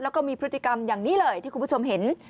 แล้วก็มีพฤติกรรมอย่างนี้เลยที่คุณผู้ชมเห็น